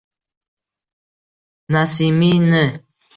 Nasimiyni